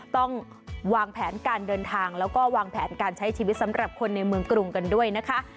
ต้องวางแผนการเดินทางแล้วก็วางแผนการใช้ชีวิตสำหรับคนในเมืองกรุงกันด้วยนะคะ